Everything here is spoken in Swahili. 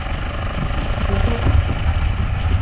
Jogoo aliwika mapema